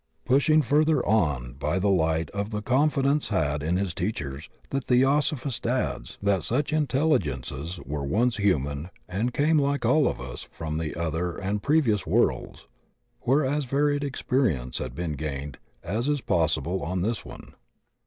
Pushing further on by the Ught of the confidence had in his teachers, the Theosophist adds that such intelligences were once human and came like all of us from other and previous worlds, where as varied experience had been gained as is possible on this one.